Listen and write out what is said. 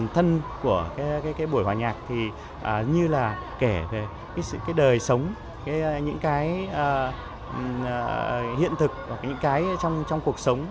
thân của buổi hòa nhạc thì như là kể về cái đời sống những cái hiện thực và những cái trong cuộc sống